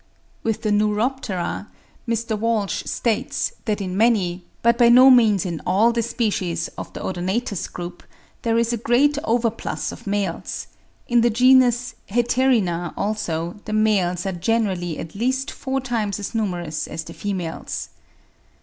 With the Neuroptera, Mr. Walsh states that in many, but by no means in all the species of the Odonatous group, there is a great overplus of males: in the genus Hetaerina, also, the males are generally at least four times as numerous as the females.